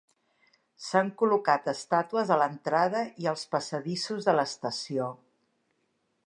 S'han col·locat estàtues a l'entrada i als passadissos de l'estació.